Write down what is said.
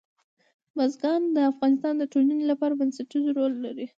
بزګان د افغانستان د ټولنې لپاره بنسټيز رول لري.